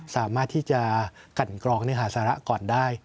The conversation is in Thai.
สามารถที่จะกันกรองเนื้อหาสาระก่อนได้